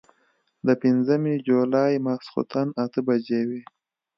د پنځمې جولايې ماسخوتن اتۀ بجې وې